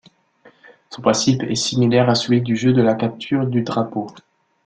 Son principe est similaire à celui du jeu de la capture du drapeau.